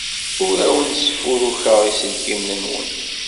Ur awen-sfurukeɣ iselkimen-nwen.